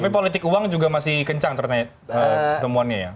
tapi politik uang juga masih kencang ternyata temuannya ya